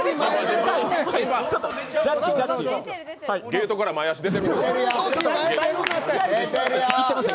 ゲートから前足出てる。